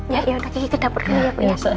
ya ya udah kiki ke dapur dulu ya bu